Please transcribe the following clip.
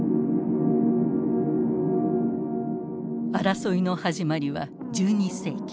争いの始まりは１２世紀。